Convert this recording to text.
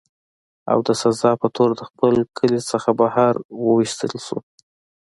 او د سزا پۀ طور د خپل کلي نه بهر اوويستی شو